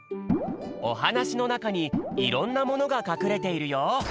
おはなしのなかにいろんなものがかくれているよ。